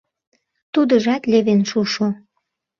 Тудыжат левен шушо.